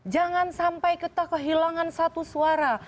jangan sampai kita kehilangan satu suara